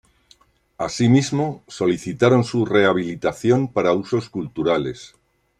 Así mismo solicitaron su rehabilitación para usos culturales.